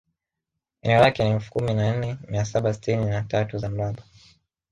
Eneo lake ni elfu kumi na nne mia saba sitini na tatu za mraba